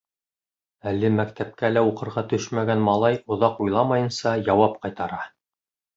Әле мәктәпкә лә уҡырға төшмәгән малай оҙаҡ уйламайынса яуап ҡайтара: